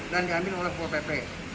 dan diambil oleh ppp